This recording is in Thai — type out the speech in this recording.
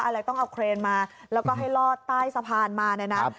อะไรต้องเอาเครนมาแล้วก็ให้ลอดใต้สะพานมาเนี่ยนะ